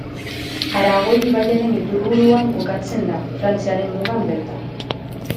Aragoi ibaiaren iturburuan kokatzen da, Frantziaren mugan bertan.